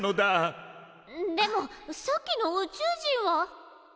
でもさっきの宇宙人は。